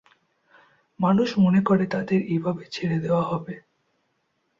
মানুষ মনে করে তাদের এভাবে ছেড়ে দেওয়া হবে।